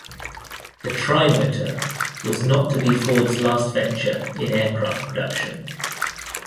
The Trimotor was not to be Ford's last venture in aircraft production.